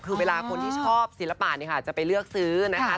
คือเวลาคนที่ชอบศิลปะจะไปเลือกซื้อนะคะ